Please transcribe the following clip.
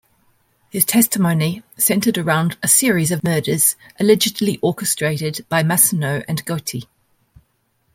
His testimony centered around a series of murders allegedly orchestrated by Massino and Gotti.